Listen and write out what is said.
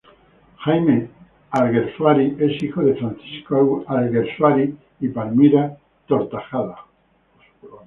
Jaime Alguersuari es hijo de Francisco Alguersuari y Palmira Tortajada.